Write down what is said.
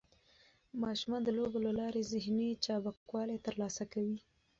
ماشومان د لوبو له لارې ذهني چابکوالی ترلاسه کوي.